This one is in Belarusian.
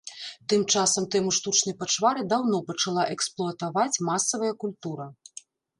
Тым часам тэму штучнай пачвары даўно пачала эксплуатаваць масавая культура.